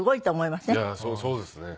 いやそうですね。